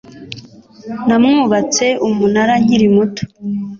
Namwubatse umunara nkiri muto -